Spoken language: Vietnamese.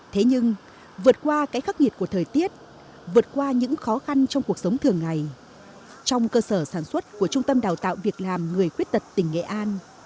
thế nhưng vượt qua cái khắc nghiệt của thời tiết vượt qua những khó khăn trong cuộc sống thường ngày trong cơ sở sản xuất của trung tâm đào tạo việc làm người khuyết tật tỉnh nghệ an